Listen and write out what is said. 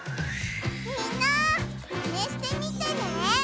みんなマネしてみてね！